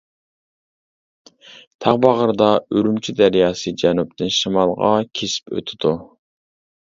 تاغ باغرىدا ئۈرۈمچى دەرياسى جەنۇبتىن شىمالغا كېسىپ ئۆتىدۇ.